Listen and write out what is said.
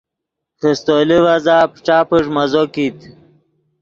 خیستو لیڤزا پݯا پݯ مزو کیت